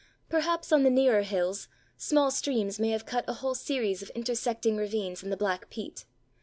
Perhaps on the nearer hills small streams may have cut a whole series of intersecting ravines in the black peat.